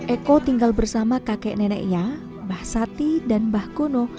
eko tinggal bersama kakek neneknya mbah sati dan mbah kuno